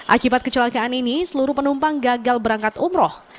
akibat kecelakaan ini seluruh penumpang gagal berangkat umroh